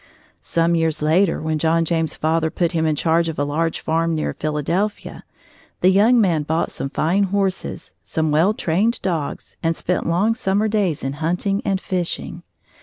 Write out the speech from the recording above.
Some years later, when John James's father put him in charge of a large farm near Philadelphia, the young man bought some fine horses, some well trained dogs, and spent long summer days in hunting and fishing.